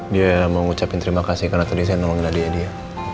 dia mau ngucapin terima kasih karena tadi saya nolongin adiknya dia